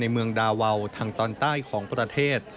เมืองดาวาวทางตอนใต้ของประเทศ